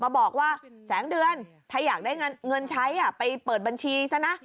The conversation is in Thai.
บอกว่าแสงเดือนถ้าอยากได้เงินใช้ไปเปิดบัญชีซะนะ